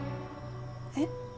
えっ？